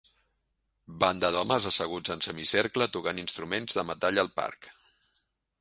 Banda d'homes asseguts en semicercle tocant instruments de metall al parc.